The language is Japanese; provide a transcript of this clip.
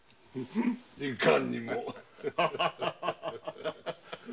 いかにも。